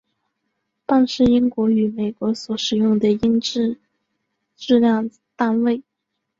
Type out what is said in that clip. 磅是英国与美国所使用的英制质量单位。